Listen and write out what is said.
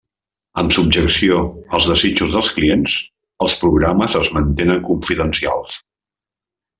Amb subjecció als desitjos dels clients, els programes es mantenen confidencials.